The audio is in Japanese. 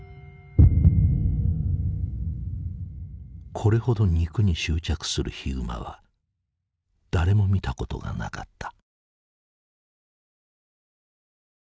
これほど肉に執着するヒグマは誰も見たことがなかった。